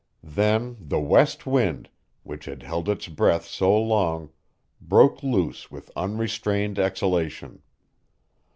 Then the west wind, which had held its breath so long, broke loose with unrestrained exhalation.